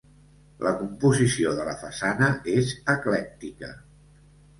La composició de la façana és eclèctica.